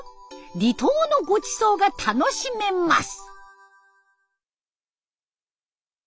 離島のごちそうが楽しめます。